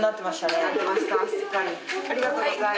ありがとうございます。